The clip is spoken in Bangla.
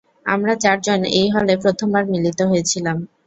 আমরা চারজন এই হলে, প্রথমবার মিলিত হয়েছিলাম।